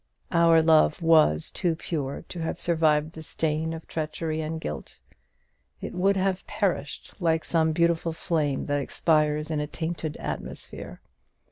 Our love was too pure to have survived the stain of treachery and guilt. It would have perished like some beautiful flame that expires in a tainted atmosphere.